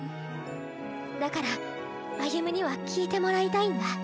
だから歩夢には聞いてもらいたいんだ。